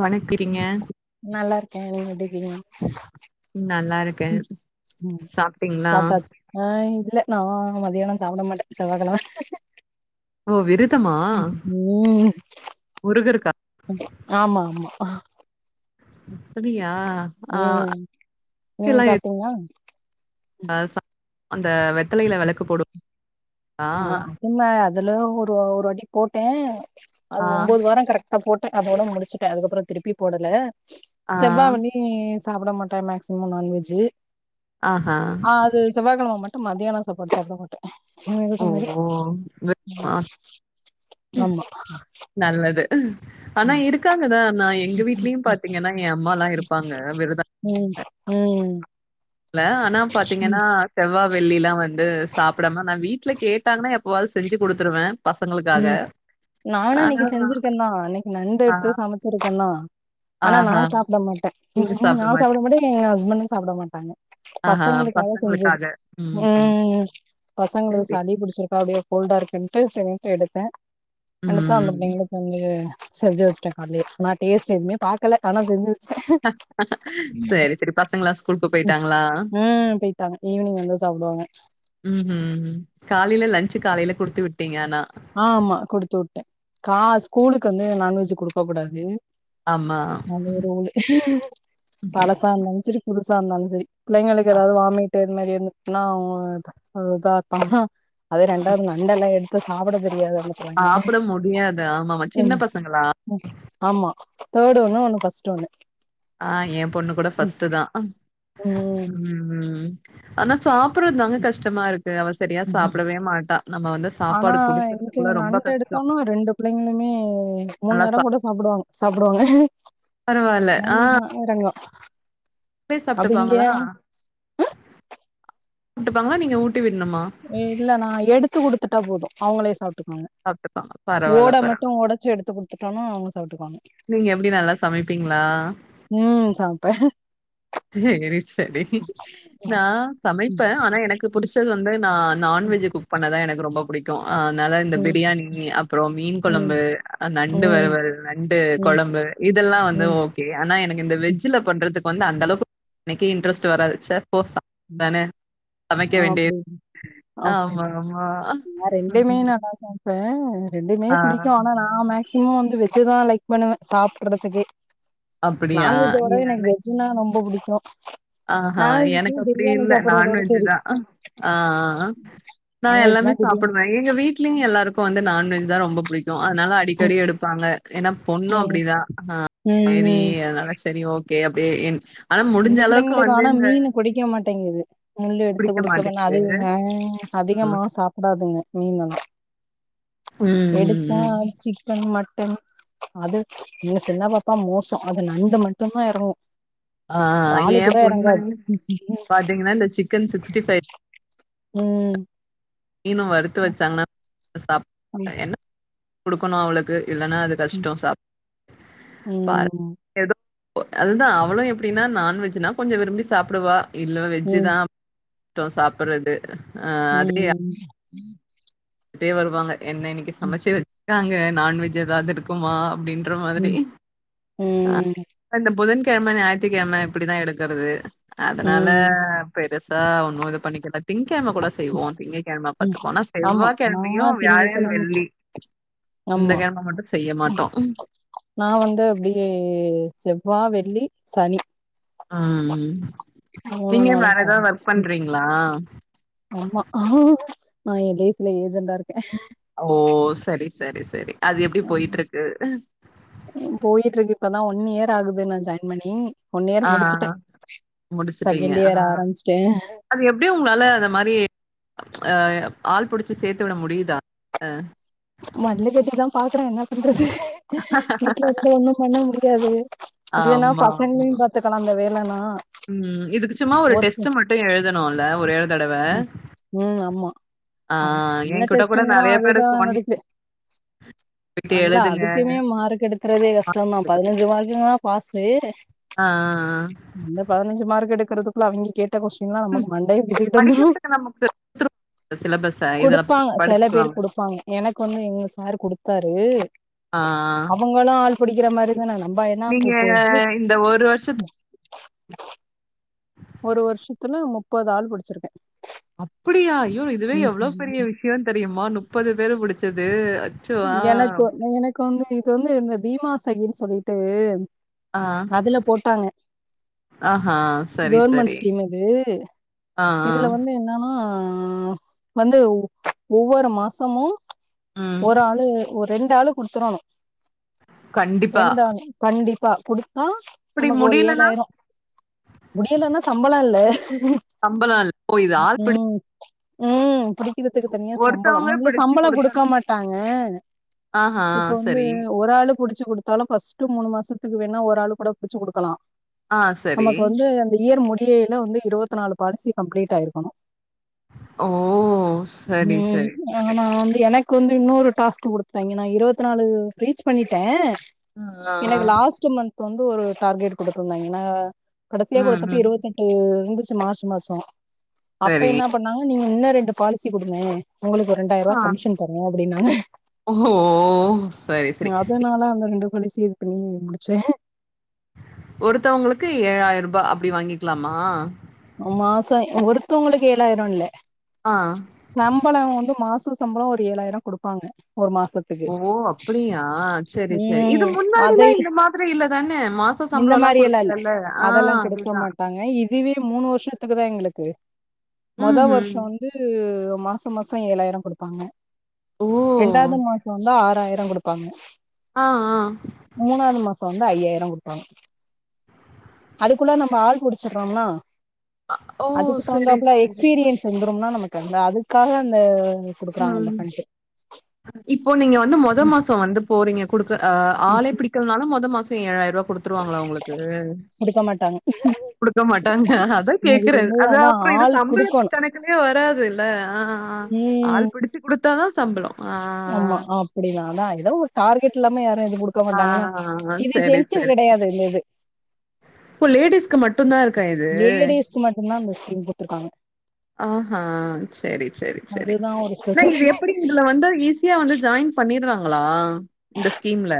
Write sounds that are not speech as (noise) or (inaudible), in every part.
வணக்கி நல்லாருக்கே நீங்க எப்டி இருக்கீங்க நல்லா இருக்கே ம் ம் சாப்டீங்ளா சாப்ட்டாச்சு ஆ இல்ல நா மதியானம் சாப்ட மாட்டே செவ்வாகெழம ஓ விருதமா ம் முருகருக்கா ஆமா ஆமா இப்டியா ம் நீங்க சாப்ட்டீங்களா ம் ஆ சா அந்த வெத்தலையில ம் வெளக்கு போடு ஆ அதுல அதுல ஒருவா ஒருவாட்டி போட்டே அது ஆ, ஒம்போது வாரோ கரெ ட போட்டே அதோட முடிச்சுட்டே அதுக்கப்றோ திருப்பி போடல ஆ, செவ்வா வெள்ளி சாப்டமாட்டே மேக்ஸிமம் நான் வெஜ்சு ஆஹா. ஆ அது செவ்வாக்கெழம மட் டு மத்யான சாப்பாடு சாப்ட மாட்டே விருத ஓ! மாரி விரதமா ம் ஆமா நல்லது ஆனா ம் இருக்காங்கதா நா எங்க வீட்லயு பாத்தீங்கன்னா என் அம்மா எல்லா இருப்பாங்க விருத ம் ம் இல்ல ஆனா ம் பாத்தீங்கன்னா செவ்வா வெள்ளிலா வந்து சாப்டாம நா வீட்டுல கேட்டாங்கன்னா எப்பவது செஞ்சு குடுத்துருவே ம் நானு இன்னைக்கி செஞ்சிருக்கே தா இன்னைக்கி நண்டு ஆ எடுத்து சமச்சிருக்கேந்தா ஆனா நா ஆஹா. சாப்ட மாட்டே நீங்க நா சாப்பிட மாட்டீங்களா? சாப்ட மாட்டே எங்க ஹஸ்பண்டு சாப்ட மாட்டாங்க பசங்களுக்காக செஞ்சது ம் பசங்களுக்கு சரி. சளி புடிச்சிருக்கா அப்டியே கோல்டா இருக்குன்ட்டு சரின்ட்டு எடுத்தே எடுத்த அந்த ம். புள்ளைங்களுக்கு வந்து செஞ்சு வச்சுட்டே கால்லியே ஆனா டேஸ்ட் எதுவுமே பாக்கல ஆனா செஞ்சு வெ செரி செரி பசங்களா ஸ்கூலுக்கு போய்ட்டாங்களா டாங்க ஈவினிங் வந்து சாப்டுவாங்க ம் ஹம் ம் காலயில லஞ்ச் காலயில குடுத்து விட்டீங்க ஆனா ஆமா குடுத்து உட்டே கா ஸ்கூலுக்கு வந்து நான்வெஜ் குடுக்க கூடாது ஆமா. ம். நல்ல ஒரு பழசா இருந்தாலு சரி புதுசா இருந்தாலு சரி புள்ளைங்களுக்கு அ ஏதாவ்து வாமிட்டு இந்த மாரி இருந்துன்னா இத இருப்பாங் அது ம். ரெண்டாவது நண்டெல்லா எடுத்து சாப்ட தெரியாது அவுனுக் சாப்ட முடியாது ஆமாம சின்ன பசங்களா ம். ஆமா தேர்டு ஒன்னு ஒன்னு ஃபஸ்ட் ஒன்னு ஆ என் பொண்ணு கூட ஃபஸ்டு தா ம் ம் ம் ம் ஆனா சாப்டடுறதுதாங்க கஷ்டமா இருக்கு அவ சரியா ம். சாப்பிடவே மாட்டா நம்ம வந்து சாப்பாடு குடுக்கறதுக்குள்ள ரொம்ப கஷ்டோ ஷ்டோன்னா ரெண்டு புள்ளைங்களுமே மூணு நல்லா நேரோ சாப் கூட சாப்டுவாங்க சாப்டுவாங்க பரவால்ல. நல்லத இறங்கு வுங்களே அது இங்க சாப்ட்டுப்பாங்களா அ சாப்ட்டுப்பாங்களா நீங்க ஊட்டி விட்ணுமா இல்ல நா எடுத்து குடுத்துட்டா போது அவுங்களே சாப்ட்டுப்பாங்க சாப்ட்டுப்பாங்க. பரவால்ல, ஓட பரவால்ல. மட்டு ஓடச்சு எடுத்து குடுத்துட்டோம்னா அவுங்க சாப்ட்டுக்குவாங்க நீங்க எப்டி நல்லா சமைப்பீங்களா ம் சமப்ப செரி சேரி நா ம், சமைப்பே ஆனா எனக்கு புடிச்சது வந்து நா நான்வெஜ் குக் பண்ணதா எனக்கு ரொம்ப புடி க்கு அதனால இந்த ம், ப்ரியாணி அப்றோ மீன் ம், கொழம்பு நண்டு ம், வரவல் நண்டு ம், கொழம்பு இதெல்லா வந்து ம். ஓகே ஆனா எனக்கு இந்த வெஜ்ல பண்றதுக்கு வந்து அந்த அளவுக் எனக்கே இன்ட்ரெஸ்ட் வராதுச்ச போ சாம்பார் தானே சமைக்க அப்டி வேண்டியது. ஆமா, அப்டின்டு ஆமா. நா ரெண்டுமே ம். நல்லா சம ப்போ ரெண்டுமே ஆ புடிக்கு ஆனா நா மாக் ஸிமொ வந்து வெஜ்ஜ தா லைக் பண்ணுவே சாப்டுறதுக்கே அப்படியா? நான்வெஜ்ஜ விட எனக்கு வெஜ் னா ரொம்ப புடிக்கு ஆ ஹ எனக் எனக் அப்டி இல்ல நான்வெஜ் சரி. தா ஆ ஆ ஆ நா நான்வெஜ்னா எல்லாமே பிரியாணி. சாப்டுவே எங்க வீட்லயு எல்லாருக்கு வந்து நான்வெஜ் தா ரொம்ப புடிக்கு அதனால அடி அடிக்கடி எடுப்பாங்க ஏன்னா பொண்ணு ம், அப்டிதா ம், சேரி ம். அதுனால ஒ கே அப்டே ன் ஆனா முடிஞ்ச இந்த அளவுக் பிள்ளைங்களுக்கு ஆனா மீனு புடிக்க மாட்டேங்குது முள்ளு எடுத்து பிடிக்க குடுக்கலனா மாட்டேங்குது. அழுவுங்க அ. அதிகமா சாப்டாதுங்க மீனல்லா ம், ம், எடுத்தா ம். சிக்கன் மட்டன் அது எங்க சின்ன பாப்பா மோசோ அது நண்டு மட்டுதா எறங்கு ஆ றாலு கூட என் பொண்ணு எறங்காது பாத்தீங்கன்னா, இந்த சிக்கன் ம் மீனு வறுத்து வச்சாங்கன்னா ம் (inaudible) என்ன (inaudible) குடுக்கணு அவளுக்கு இல்லன்னா அது கஷ்டோ சாப் ம் (inaudible) பாற எதோ அதுதா அவளு எப்டின்னா நான்வெஜ்னா கொஞ்ச விரும்பி சாப்புடுவா இல்ல ம் வெஜ்ஜு ம் தா (inaudible) சாப்படறது ம் ம் வருவாங்க என்ன இன்னைக்கு சமைச்சு வச்சிருக்காங்க நான்வெஜ் எதாவது இருக்குமா அப்டின் ற மாதிரி ம் அ ம் இந்த புதன் கெழம ஞாயித்துக்கெழம இப்டிதா எடுக்குரது அதனால ம் பெருசா ஒன்னு இது பண்ணிக்கல திங்கெழம கூட செய்வோ திங்க பத்து ம் போனா ஆமா நா செவ்வாய்கெழமையு வியாழன் திங்கட்கிழம வெள்ளி இந்த ஆமா கெழம மட்டு செய்ய மாட்டோ நா வந்து அப்டியே செவ்வா வெள்ளி சனி ஹம் மூணு நீங்க நாளு வேற சனி எதாவது ஒர்க் ம் பண்றீங்களா ஆமா நா எடேசில ஏஜெண்டா இருக்க ஓ சரி சரி சரி அது எப்டி போயிட்ருக்கு போயிட்ருக்கு இப்பதா ஒன் இயர் ஆகுது நா ஜாயின் பண்ணி ஒன் ஆ இயர் முடிச்சுட்ட முடிச்சுட்டீங்க செகண்ட் ஆ இயர் ஆரம்பிச்சிட்ட அது எப்டி உங்களா அத மாரி அ ஆள் புடிச்சி சேத்து விட முடியுதா மல்லு கட்டி தா பாக்ற என்ன பண்றது வீட்ல வச்சு ஒண்ணு பண்ண முடியாது இதுனா ஆமா, ஆமா. பசங்களையு பாத்துக்கலாம்ல வேலன்னா ம் இதுக்கு சும்மா ஒரு டெஸ்ட் மட்டு எழுதனுல ஒரேஒரு தடவ ம் ம் ஆமா ஆ அது சின்ன என்கிட்ட கூட டெஸ்ட்டுங்கிறோ நெறைய பேரு அதுதா சொன் நடக்கு அல்ல எழுதுங்க. அதுக்குமே மார்க்கெடுத் க்றதே கஷ்டோ தா மார்க் எடுக்க பதினஞ்சு மார்க்கு தா பாஸு ஆ ஆ அந்த பதினஞ்சு மார்க் எடுக்கறதுக்குள்ள அவிங்க கேட்ட கொஸ்டின்லா ம். நமக்கு மண்டைய பிச்சுகிட்டு வந்துரு படிக்கிறதுக்கு நமக்கு குடுத்துருவாங்க சிலபஸ. இதில குடுப்பாங்க செல படிச்சுக்குவாங்க. பேர் குடுப்பாங்க எனக்கு வந்து எங்க சாரு குடுத்தாரு ஆ. அவங்களா ஆள் புடிக்கிற மாரி தா நம்ப என்னா நீங்க கூப்பு இந்த வருஷத்து ஒரு வருஷத்துல முப்பது ஆள் புடிச்சிருக்க அப்பிடியா ஐயோ இதுவே எவ்ளோ ம் பெரிய விஷயோனு தெரியுமா நுப்பது பேர புடிச்சது எனக்கு எனக்கு வந்து இது வந்து இந்த பீமா சைடுன்னு சொல்லிட்டு ஆ. அதுல போட்டாங்க ஆஹா. சரி, கவுர்மெண்ட் சரி. ஸ்கீம் அது ஆ, இதுல வந்து நானு வந்து ஒவ்வொரு மாசமு ஆ. ம். ஒரு ஆளு ஒரு ரெண்டு ஆளு குடுத்தரணு கண்டிப்பா. ரெண்டு ஆளு கண்டிப்பா குடுத்தா அப்படி நமக்கு ஒரு முடியலன்னா ஏழாயிரோ முடியலன்னா சம்பள இல்ல சம்பளம் இல்ல. ஓ! இது ஆள் ம் ம் புடிக்கிறதுக்கு தனியா சம்பளம் ஒருத்தவங்க முதல்ல பிடிச்சு சம்பள குடுக்க குடுத்தோன்னா மாட் டாங்க ஆஹா இப்ப வந்து சரி. ஒரு ஆளு புடி ச்சு குடுத்தாலு ஃபர்ஸ்ட் மூணு மாசத்துக்கு வேணா ஒரு ஆளு கூட புடுச்சு குடுக்கலா ஆ சரி. நமக்கு வந்து அந்த இயர் முடியில வந்து இரவத்து நாலு பாலிசி கம்ப்ளீட் ஆயிருக்கணு ஓ! சரி, ம் சரி, சரி. ஆனா வந்து எனக் கொந்து இன்னோரு டாஸ்க்கு குடுத்துடாய்ங்கே நா இருவத்தநாலு ரீச் பண்ணிட்டே அ, ஆ, எனக்கு ஆ. அதுக்கு லாஸ் ஃபஸ்டு மந்த்து வந்து ஒரு டார்கெட் குடுத்துந்தாய்ங்க நா கடசியா ம், குடுத்தப்ப ம். இருவத்தஞ் ட்டு இந்துச்சு மார்ச் மாசோ அப்ப சரி. என்ன பண்ணாங்க நீங்க இன்னு ரெண்டு பாலிசி குடுங்க உங்களுக்கு ஒரு ரெண்டாயிர்வா ஆ. கமிஷன் தருவோ அப்டினாங்க ஓஹோ! சரி, சரி. அதனால அந்த ரெண்டு பாலிசி இது பண்ணி முடிச்சே ஒருத்தவுங்களுக்கு ஏழாயருபா அப்டி வாங்கிக்லாமா மாசோ ஒருத்தவுங்களுக்கு ஏழாயிரல்ல ஆ செம்பள வந்து மாச சம்பள ஒரு ஏழாயிரோ குடுப்பாங்க ஒரு மாசத் ஓ அப்பிடியா செரி செரி இது ம் முன்னாடிலா அதை இந்த மாதிரி இல்லதான மாச இந்த சம்பளம்லாம் மாரியெல்லா இல்ல குடுக்கலல்ல. ஆ அதலா குடுக்க அதுதான். மாட்டாங்க இத் திவே மூனு வருஷத்துக்குதா எங்ளுக்கு மொத ம்ஹ்ம். வருஷ வந் வந்து மாச மாச ஏழாயிர குடுப்பாங்க ஓ! ரெண்டாவது மாச வந்து ஆறாயிர குடுப்பாங்க ஆ ஆ மூனாவது மாச வந்து ஐயாயிர குடுப்பாங்க அதுக்குள்ள நம்ம ஆள் புடிச்சுர்றோம்னா ஓ! அதுக்கு சரி, தகுந்தாப்புல சரி. எக்ஸ்பீரியன்ஸ் வந்துரும்னா நமக்கு அந்த அதுக்காக அந்த ம். க்குறாங்கல்ல ஃபண்ட்டு இப்போ நீங்க வந்து மொத மாச வந்து போறீங்க குடுக்க அ ஆளே பிடிக் க்கல்னாலு மொத மாச ஏழாயிர்வா குடுத்துருவாங்ளா உங்ளுக்கு குடுக்க மாட்டாங்க குடுக்க மாட்டாங்க அதா அதுக்கு கேக்கறே வந்து அது அதா அப்ற இது ஆள் சம்பளத் குடுக்கணு கணக்கு துவே வராது இல்ல ஆ ஆ ம் ஆள் பிடிச்சு குடுத்தாதா சம்பள ஆமா அப்டிதா அதா எதோ ஒரு டார்கெட் இல்லாம யாரு எது குடுக் க்க ஆ. மாட்டாங்கனா ஆ, இது சரி, ஜென்சு கிடையாது இந்த இது ப்ப லேடீஸ்க்கு மட் லேடிஸ்க்கு மட்டுந்தா இந்த ஸ்கீம் குடுத்துருக்காங்க ஆஹா செரி செரி செரி அதுதா ஒரு நா ஸ்பெஷல் இது எப்பிடி இதுல வந்து ஈச் சியா வந்து ஜாயின் பண்ணிர்றாங்களா இந்த ஸ்கீம்ல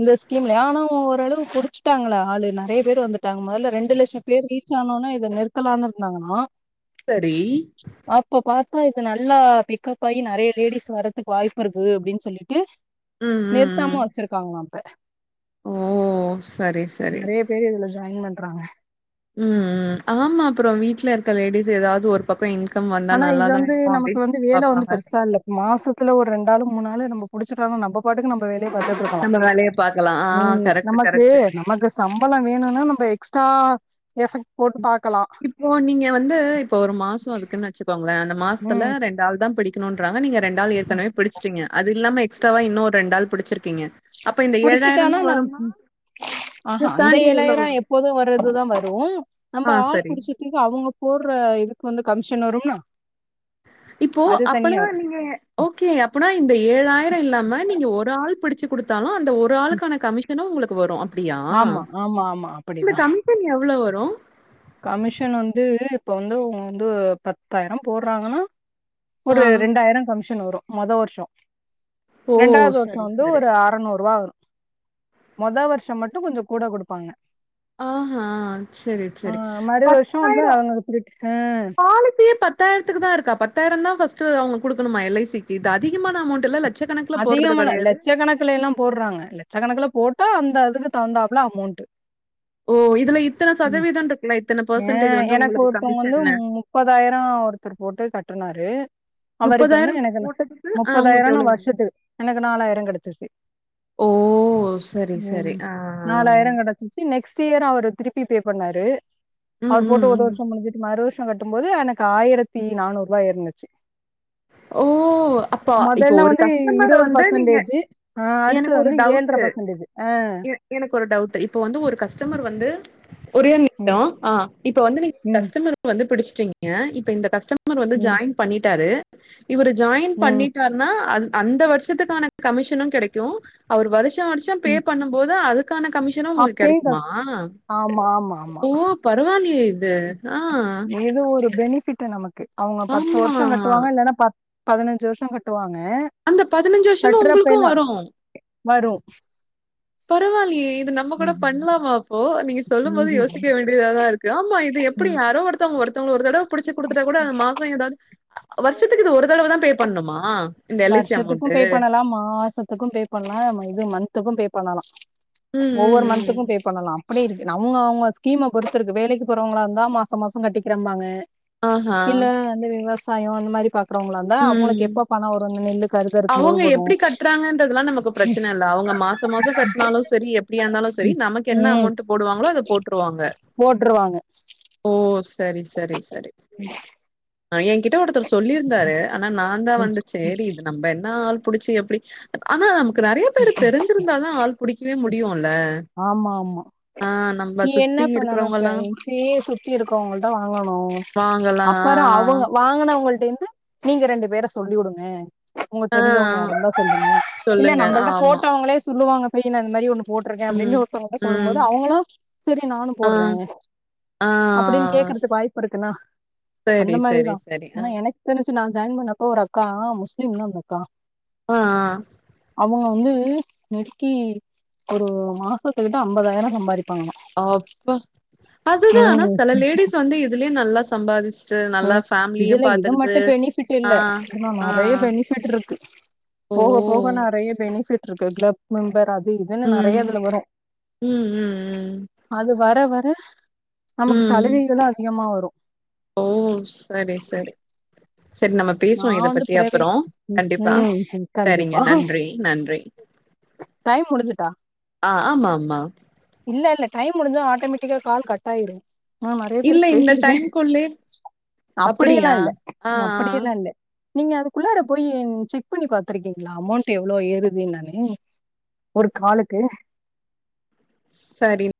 இந்த ஸ்கீம்லியா ஆனா ஒ ஒரளவு புடிச்சிட்டாங்களா ஆளுலா நெறைய பேர் வந்துட்டாங்க மொதல்ல ரெண்டு லட்சம் பேர் ரீச் ஆனுனா இத நிறுத்தலானு இருந்தாங்கனா சரி அப்ப பாத்தா இது நல்லா பிக்கப்பாயி நெறைய லேடிஸ் வரதுக் வாய்ப்புருக்கு அப்டின் சொல்லிட்டு ம், ம், ம். நிறுத்தாம வச்சிருக்காங்கலா இப்ப ஓ சரி சரி பே இதுல ஜாயின் பண்றாங்க ம் ம் ஆமா அப்ற வீட்ல இருக்க லேடிஸ் ஏதாது ஒரு பக்க இன்கம் வந்தா ஆனா இது நல்லாதா வந்து இருக்கு நமக்கு அப்டின் வந்து வேல வந்து பாப்பாங்க பெருசா இல்ல மாசத்துல ஒரு ரெண்டாலு மூனாலு நம்ம புடிச்சுட்டாலு நம்பப் பாட்டுக்கு நம்ம வேலைய பத்துட்ருக்கலா நம்ம வேலைய பாக்கலாம். ஆ ம் கரெக்ட், நமக்கு கரெக்ட். நமக் கு சம்பள வேணுனா நம்ம எக்ஸ்ட்ரா எஃபெக்ட் போட்டு பாக்கலா ஓ நீங்க வந்து இப்போ ஒரு மாச இருக்குன்னு வச்சுக்கோங்ளே அந்த மாசத்துல ம் ரெண்டு ஆள்தா பிடிக்குணுன்றாங்க நீங்கத் ரெண்டாள் ஏற்கனவே பிடிச்ட்டிங்க அது இல்லாம எக்ஸ்ட்ராவா இன்னு ஒரு ரெண்டாள் புடிச்சிருக்கிங்க அப்போ இந்த புடிச்சிட்டானா ஏழாயிரந்தா நம் வரும்மா இதத்தாண்டி எவ்ளோ வரு ப்போது வரதுதா வரு நம்ம ஆள் சரி. புடிச்சிர் திகு அவுங்க போர்ற இதுக்கு வந்து கம்ஷன் வரும்னா இப்போ அப்பனா நீங்க ஓகே அப்பனா இந்த ஏழாயிர இல்லாம நீங்க ஒரு ஆள் பிடிச் ச்சு குடுத்தாலு அந்த ஒரு ஆளுக்கான கமிஷனு உங்ளுக்கு வரு அப்டியா ஆமா ஆமா ஆமா அப்படிதா சன் எவ்ளோ வரு கமிஷன் வந்து இப்ப வந்து உங் வந்து பத்தாயிரம் போட்றாங்கனா ஆ ஒரு ரெண்டாயிரம் கமிஷன் வரு மொத வர்ஷம் ஓ ரெண்டாவது வருஷம் சரி வந்து சரி ஒரு அறநூறுவா வரு மொத வருஷம் மட்டு கொஞ்ச கூட குடுப்பாங்க ஆஹா சரி ஆ சரி மறு வருஷோ வந்து பத்தாயிரம் அவங்க திருப்பி ஆ பாலிசியே பத் பத்தாயிரத்துக்குதா இருக்கா பத்தாயிரன்னா பஸ்ட்டு அவுங்க குடுக்கணுமா எல் ஐ சி க்கு இது அதிகமான அமௌண்டில்ல அதிகமல்ல லட்சக்கணக்குலல்லாம் போட்றாங்க லட்சகணக்குல போட்டா அந்த அதுக்கு தகுந்தாப்புல அமௌண்ட்டு ஓ இதுல இத்தன சதவீதன்ருக்குல இத்தன பர்சன்டேஜ் வந்து உங்களுக்கு கமிஷன்னு முப்பதாயிரம் ஒருத்தர் போட்டு கட்டுனாரு அவருக்கு வந்து முப்பதாயிரம் எனக்கு என்ன போட்டதுக்கு ஆ உங்களுக்கு முப்பதாயிரன்னா எவ்ளோ வரு ஷத்துக்கு எனக்கு நாலாயிரம் கடச்சிருத்து ஓ சரி சரி ஆ (unintelligible) நெஸ்ட் இயர் அவர் திருப்பி பே பண்ணாரு ம் அவர் போட்டு ம் ஒரு ம் வருஷம் முடிஞ்சுட்டு மறு வருஷம் கட்டும் போது எனக்கு ஆயிரத்தி நானூறு ரூபாயா இருந்துச்சு ஓ அப்பா இப்போ ஒரு க இருவது பர்சன்டேஜூ ஆ அடுத்து எனக்கு ஒரு வந்து ஏழரை டவுட்டு பர்சன்டேஜூ ஆ எ எனக்கு ஒரு டவுட்டு இப்ப வந்து ஒரு கஸ்டமர் வந்து ஒரே ஓர் நிமிஷோ ம், ஆ இப்ப வந்து நீ ம், கஸ்டமர் வந்து பிடிச்டீங்க இப்ப இந்த கஸ்ட மர் வந்து ம், ஜாயின் பண்ணிட்டாரு இவரு ஜாயின் ம், பண்ணிட்டார் னா அ அந்த வருஷத்துக்கான கமிஷனு கெடைக்கு அவரு வருஷா வருஷம் பே ம். பண்ணும்போது அதுக் கான கமிஷனு உங்ளுக்கு அப்பயும் க கெடைக்குமா ஆமா, ஆமா, ஆமா. ஓ பரவால்லியே இது ஆ ஏதோ ஒரு பெனிபிட்டு நமக்கு அவுங்க பத்து ஆமா வருஷ கட்டுவாங்க இல்லனா பத் பதினஞ்சு வருஷ கட்டுவாங்க அந்த பதினஞ்சு வருஷமா உங்ளுக்கு வரும் வரு பரவால்லியே இது நம் நம்ம கூட ம்ஹ்ம். பண்லாமா அப்போ நீங்க சொல்லும் போது யோசிக்க வேண்டியத தா இருக்கு ஆமா இது எப்டி ம். யாரோ ஒருத்தவங்க ஒருத்தவங்கள ஒருத்தடவ புடிச்சு குடுத்துட்டா கூட அந்த மாசம் ஏதாது வருஷத்துக்கு இது ஒரு தடவ தா பே பண்ணுமா இந்த எல் ஐ சி வருஷத்துக்கும் அமௌண்ட்டு பே பண்ணலாம் மாசத்துக்கும் பே பண்ணலாம் இது மன்துக்கும் பே பண்ணலாம் ம் ம் ஒவ்வொர் ம் மந்துக்கும் பே பண்ணலாம் அப்டி இருக்கு நம்ம அவங்க ஸ்கீம பொறுத்து இருக்கு வேலைக்கு போறவங்களா இருந்தா மாச மாசம் கட்டிக்கறம்பாங்க ஆஹா இல்ல வந்து விவசாயம் அந்த மாரி பாக்கறவங்களா இந்தா ம் அவங்களுக்கு எப்ப பணம் வரும் இந்த நெல்லுக்கு அறுவட இருக்கும்போது அவங்க வரும். எப்டி கட்டுறாங்கன்றதல்லாம் நமக்கு பிரச்சன இல்ல அவங்க மாச மாசம் கட்னாலும் சரி எப் படியா இருந்தாலும் சரி ம். நமக்கு என்ன அமௌண்ட் போடுவாங்களோ அத போட்ருவாங்க போட்ருவாங்க ஓ சரி சரி சரி (inaudible) அ என்கிட்ட ஒருத்தர் சொல்லிருந்தாரு ஆனா நா தா ம். வந்து சேரி இது நம்ப என்ன ஆள் புடிச்சு எப்டி ஆனா நமக்கு நறைய பேரு தெரிஞ்சிருந்தா தா ஆள் புடிக்கவே முடியும் இல்ல ஆமாமா நீ என்ன சுத்தி பண்ணணும் இப்ப இருக்கிறவங்கல்லா (unintelligible) சுத்தி இருக்கவங்கள்ட்ட வாங்கணு வாங்கலா அப்பறம் அவங்க வாங்கனவங்கள்டேந்து நீங்க ரெண்டு பேர சொல்லி உடுங்க உங்க ஆ ஆ. தெரிஞ்சவங்க யாரா இருந்த சொல்லுங்க இல்ல சொல்லுங்க நம்பள்ட்ட ஆமா போட்டவங்களே சொல்லுவாங்க பைய அந்த மாரி ஒன்னு போட் ருக்கன் ம் அப்டின்னு ஒருத்தங்க சொல்லும் ம் போது அவங்களும் சரி நானு ஆ போட்றேன் ஆ அப்டின்னு கேக்கறதுக்கு வாய்ப்பு இருக்குன்னா சரி அந்த சரி மாரிதா சரி ஆ ஆனா எனக்கு என்னச்சு நா ஜாயின் பண்ணப்போ ஒரு அக்கா முஸ்லீம்னா அந்தக்கா ஆ ஆ அவங்க வந்து நெக்கி ஒரு மாசத்து கிட்ட அம்பதாயிரம் சம்பாதி அப்பா. அதுதா ஆனா ம் செல லேடிஸ் வந்து இதுலியு நல்லா சம்பாதிச்சுட்டு நல்லா ஃஃபேமிலியு பாத்துகிட்டு பிட்டில்ல இதுல நறைய பெனிஃபிட் இருக்கு. ஓ போக போக நறைய பெனிஃபிட்ருக்கு. கிளப் மெம்பர் அது இதுனு ம் நறைய இதுல வரு ம் ம் ம் அது வர வர நமக்கு ம் சலுகைகளு அதிகமா வரு. ஓ சரி சரி. செர் நம்ம நா பேசுவோ இத வந்து பத்தி அப்புறோ பிரைவேட் ம் கண்டிப்பா ம் சரிங்க கண்டிப்பா நன்றி நன்றி. டைம் முடிஞ்சுட்டா? ஆ ஆம்மாம்மா. இல்லல்ல டைம் முடிஞ்சா ஆட்டோமேட்டிக்கா கால் கட் ஆயிரு. நா நறைய இல்ல பேருக் இந்த பேசிருக்கே டைம்குள்ளே அப்பிடியெல்லா அப்படியா இல்ல ஆ ஆ அப்பிடியெ ல்ல நீங்க அதுக்குள்ளார போயி ன் செக் பண்ணி பாத்துருக்கிங்ளா அமௌண்ட்டு எவ்ளோ ஏறுது என்னானு. ஒரு காலுக்கு. சரின்